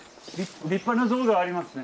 立派な像がありますね。